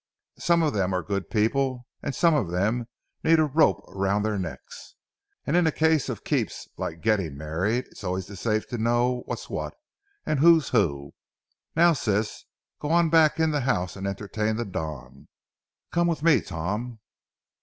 Some of them are good people and some of them need a rope around their necks, and in a case of keeps like getting married, it's always safe to know what's what and who's who. Now, Sis, go on back in the house and entertain the Don. Come with me, Tom."